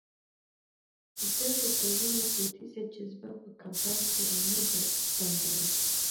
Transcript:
ده د ټولنې دودیزه جذبه په کمپاین کې را نه پنځوله.